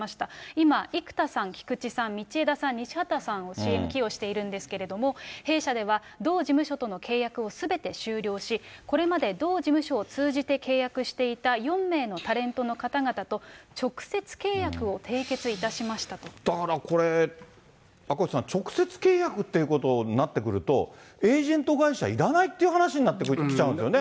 今、生田さん、菊池さん、道枝さん、西畑さんをＣＭ起用しているんですけれども、弊社では、同事務所との契約をすべて終了し、これまで同事務所を通じて契約していた４名のタレントの方々と、だからこれ、赤星さん、直接契約っていうことになってくると、エージェント会社いらないっていう話になってきちゃうんですよね。